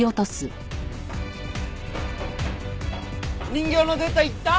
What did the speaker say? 人形のデータいった？